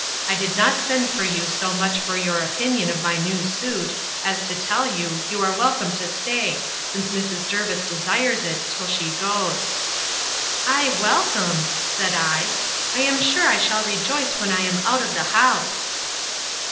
I did not send for you so much for your opinion of my new suit, as to tell you, you are welcome to stay, since Mrs. Jervis desires it, till she goes. I welcome! said I; I am sure I shall rejoice when I am out of the house!